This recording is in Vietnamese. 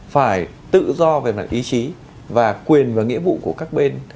phải tự do về mặt ý chí và quyền và nghĩa vụ của các bên